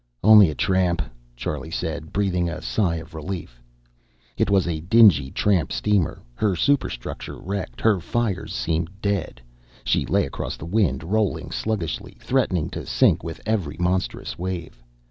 "Only a tramp," Charlie said, breathing a sigh of relief. It was a dingy tramp steamer, her superstructure wrecked. Her fires seemed dead. She lay across the wind, rolling sluggishly, threatening to sink with every monstrous wave.